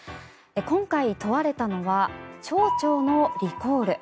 今回問われたのは町長のリコール。